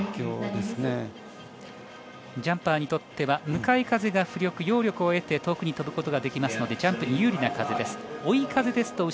ジャンパーにとっては向かい風が浮力、揚力を得て遠くに飛ぶことができますのでジャンプに有利な風です。